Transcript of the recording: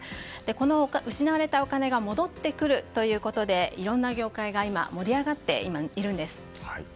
この失われたお金が戻ってくるということでいろんな業界が今、盛り上がっているんです。